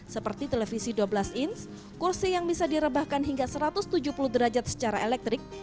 seperti televisi dua belas ins kursi yang bisa direbahkan hingga satu ratus tujuh puluh derajat secara elektrik